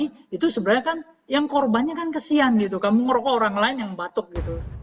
itu sebenarnya kan yang korbannya kan kesian gitu kamu ngerokok orang lain yang batuk gitu